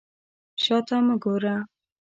شا ته مه ګوره.